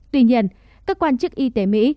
tuy nhiên các quan chức y tế mỹ